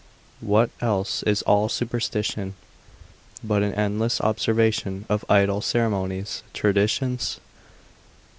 What else is all superstition, but an endless observation of idle ceremonies, traditions?